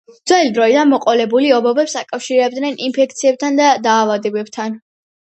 ძველი დროიდან მოყოლებული ობობებს აკავშირებდნენ ინფექციებთან და დაავადებებთან.